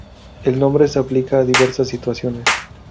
El nombre se aplica a diversas situaciones.